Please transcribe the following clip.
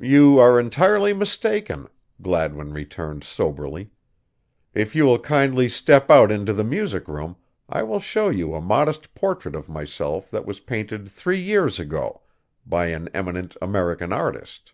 "You are entirely mistaken," Gladwin returned soberly. "If you will kindly step out into the music room I will show you a modest portrait of myself that was painted three years ago by an eminent American artist.